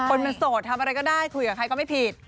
คนมันโสดทำอะไรก็ได้คุยกับใครก็ไม่ผิด